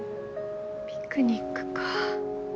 ピクニックか。